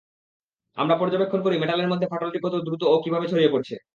আমরা পর্যবেক্ষণ করি মেটালের মধ্যে ফাটলটি কত দ্রুত ও কিভাবে ছড়িয়ে পড়ছে।